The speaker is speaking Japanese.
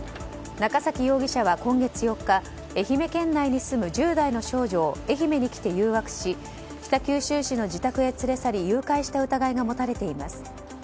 中崎容疑者は今月４日愛媛県内に住む１０代の少女を愛媛に来て誘惑し北九州市の自宅へ連れ去り誘拐した疑いが持たれています。